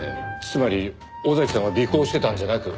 つまり尾崎さんは尾行してたんじゃなく。